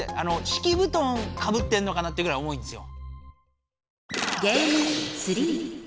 しきぶとんかぶってんのかなっていうぐらい重いんですよ。